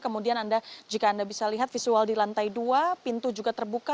kemudian anda jika anda bisa lihat visual di lantai dua pintu juga terbuka